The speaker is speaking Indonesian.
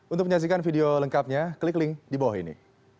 untuk menyaksikan video lengkapnya klik link di bawah ini